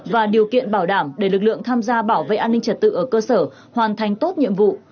và điều kiện bảo đảm để lực lượng tham gia bảo vệ an ninh trật tự ở cơ sở hoàn thành tốt nhiệm vụ